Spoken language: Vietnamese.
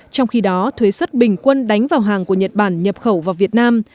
trong khi đó thuế xuất bình quân đánh vào hàng của nhật bản nhập khẩu vào việt nam